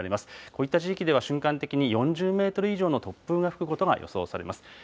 こういった地域では瞬間的に４０メートル以上の突風が吹くことが予想されます。